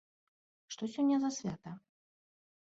Што сёння за свята?